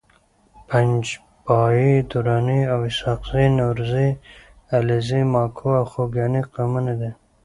پنجپاي دراني د اسحاقزي، نورزي، علیزي، ماکو او خوګیاڼي قومونو دي